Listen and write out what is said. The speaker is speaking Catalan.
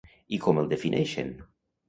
I com el defineixen?